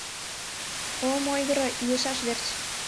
Ом ойгыро илышаш верч.